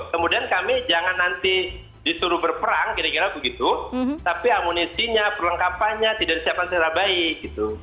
kemudian kami jangan nanti disuruh berperang kira kira begitu tapi amunisinya perlengkapannya tidak disiapkan secara baik gitu